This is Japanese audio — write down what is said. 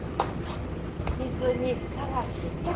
水にさらしてと。